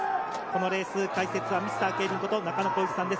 このレース、解説はミスター競輪こと、中野浩一さんです。